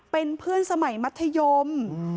เป็นเพื่อนสมัยมัธยม